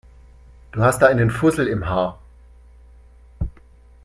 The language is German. Du hast da einen Fussel im Haar.